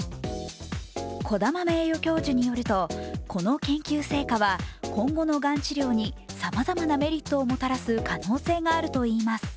児玉名誉教授によると、この研究成果は今後のがん治療にさまざまなメリットをもたらす可能性があるといいます。